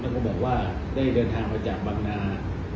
แล้วก็บอกว่าได้เดินทางมาจากบางนา